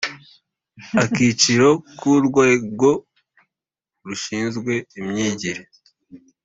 Akiciro ka urwego rushinzwe imyigire